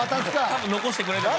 多分残してくれたと。